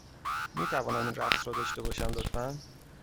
می توانم این رقص را داشته باشم، لطفا؟